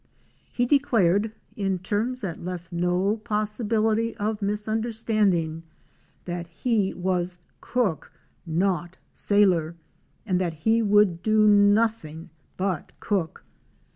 He declared, in terms that left no possibility of misunderstanding, that he was cook, not sailor, and that he would do nothing but cook.